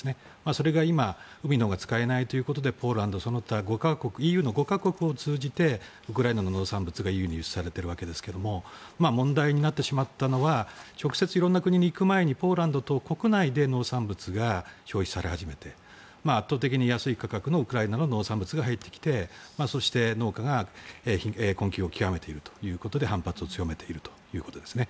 それが今、海が使えないということでポーランドその他ＥＵの５か国を通じてウクライナの農産物が輸入されているわけですが問題になってしまったのは直接色んな国に行く前にポーランド国内で農産物が消費され始めて圧倒的に安い価格の農産物が入ってきてそして農家が困窮を極めているということで反発を強めているということですね。